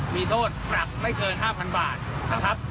มีโทษปรับไม่เกิน๕๐๐๐บาทนะครับ